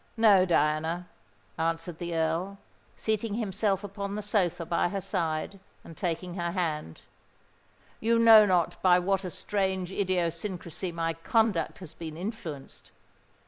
"No, Diana," answered the Earl, seating himself upon the sofa by her side, and taking her hand: "you know not by what a strange idiosyncrasy my conduct has been influenced.